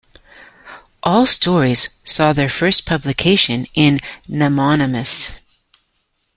All stories saw their first publication in Nemonymous.